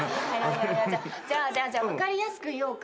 いやいやじゃあじゃあじゃあ分かりやすく言おうか？